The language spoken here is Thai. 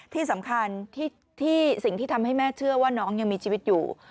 ที่สำคัญที่สิ่งที่ทำให้แม่เชื่อว่าน้องยังมีชีวิตอยู่